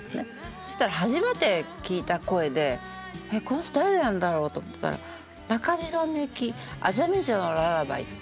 そしたら初めて聴いた声で「え？この人誰なんだろう」と思ってたら「中島みゆき『アザミ嬢のララバイ』」ってあったんですよ。